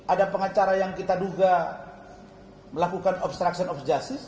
ada pengacara yang kita duga melakukan obstruction of justice